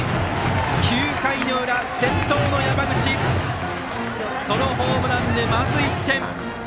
９回の裏、先頭の山口のソロホームランで、まず１点。